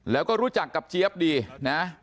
แล้วก็รู้จักกับเจี๊ยบดีนะ